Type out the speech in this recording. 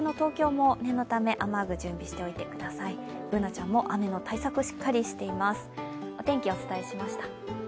Ｂｏｏｎａちゃんも雨の対策しっかりしています。